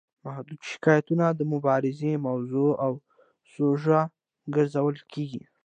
محدود شکایتونه د مبارزې موضوع او سوژه ګرځول کیږي.